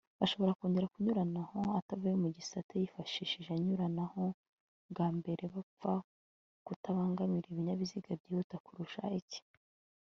bashobora kongera kunyuranaho atavuye mugisate yifashishije anyuraranaho bwambere bapfa kutabangamira Ibinyabiziga byihuta kurusha icye